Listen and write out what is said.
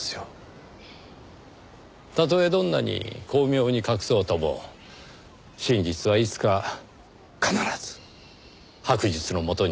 たとえどんなに巧妙に隠そうとも真実はいつか必ず白日の下にさらされます。